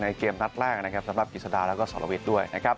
ในเกมนัดแรกสำหรับกิจดาและแสลวิทย์ด้วย